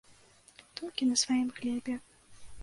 Толькі на сваім хлебе.